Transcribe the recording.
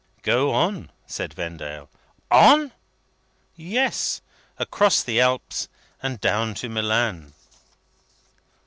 "Go on," said Vendale. "On?" "On? Yes. Across the Alps, and down to Milan."